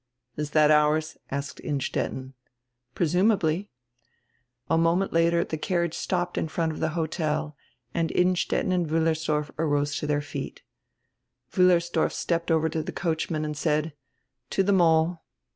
"Is diat ours?" asked Innstetten. "Presumably." A moment later die carriage stopped in front of die hotel and Innstetten and Wiillersdorf arose to dieir feet Wiillersdorf stepped over to die coachman and said: "To the mole."